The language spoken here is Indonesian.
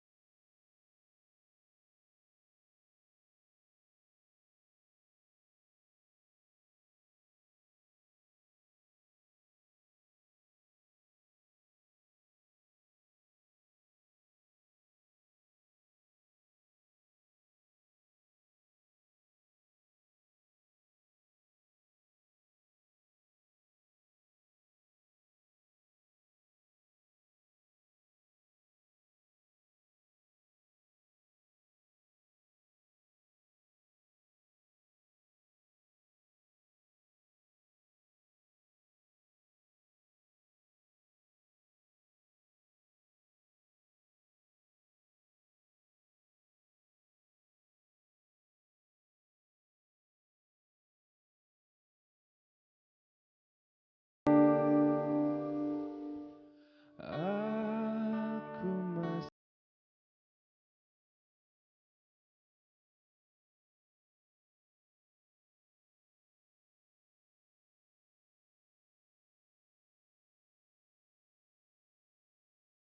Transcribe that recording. kau tidak pernah lagi bisa merasakan cinta